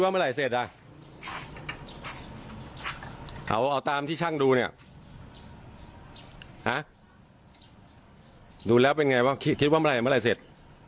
เอาตามที่ช่างดูเนี่ยดูแล้วเป็นไงว่าคิดว่าเมื่อไหรเมื่อไหร่เสร็จ